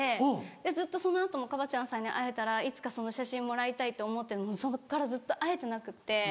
ずっとその後もＫＡＢＡ．ちゃんさんに会えたらいつかその写真もらいたいと思ってそっからずっと会えてなくって。